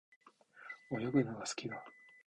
泳ぐのが好きだ。